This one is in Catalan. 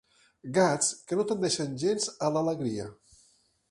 Gats que no tendeixen gens a l'alegria.